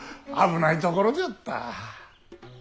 危ないところじゃった。